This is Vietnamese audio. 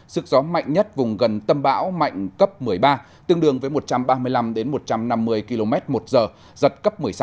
sức gió mạnh nhất vùng gần tâm bão mạnh cấp một mươi ba tương đương với một trăm ba mươi năm một trăm năm mươi km một giờ giật cấp một mươi sáu